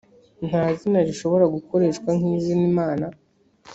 nta zina rishobora gukoreshwa nk’izina imana